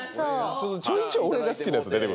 ちょいちょい俺が好きなやつ出て来る。